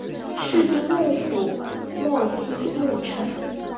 室町幕府末期幕臣。